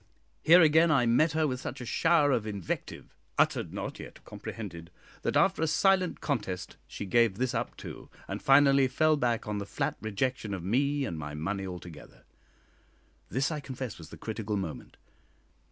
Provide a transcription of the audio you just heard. Here again I met her with such a shower of invective, "uttered not, yet comprehended," that after a silent contest she gave this up too, and finally fell back on the flat rejection of me and my money altogether. This, I confess, was the critical moment.